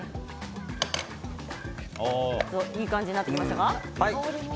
いい感じになってきましたか。